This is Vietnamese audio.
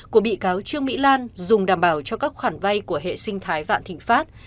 của bị cáo trương mỹ lan dùng đảm bảo cho các khoản vay của hệ sinh thái vạn thịnh pháp